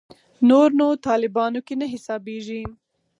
نور نو طالبانو کې نه حسابېږي.